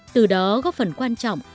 từ đó góp phần quan trọng